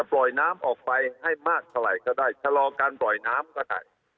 ปล่อยน้ำออกไปให้มากเท่าไหร่ก็ได้ชะลอการปล่อยน้ำก็ได้